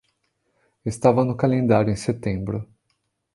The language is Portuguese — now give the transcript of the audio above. Estava no calendário em setembro.